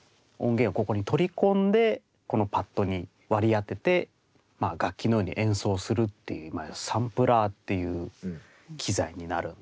音源をここに取り込んでこのパッドに割り当てて楽器のように演奏するっていうサンプラーっていう機材になるんですね。